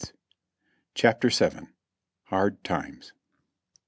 CHAPTER VII. . HARD TIMES.